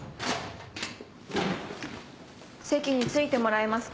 席に着いてもらえますか？